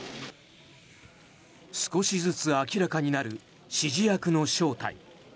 少しずつ明らかになる指示役の正体。